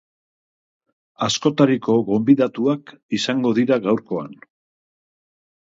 Askotariko gonbidatuak izango dira gaurkoan.